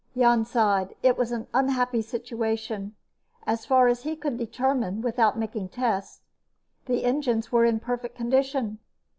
Jan sighed. It was an unhappy situation. As far as he could determine, without making tests, the engines were in perfect condition.